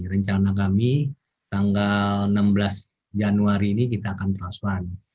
rencana kami tanggal enam belas januari ini kita akan transfer